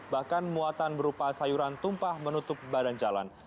bahkan muatan berupa sayuran tumpah menutup badan jalan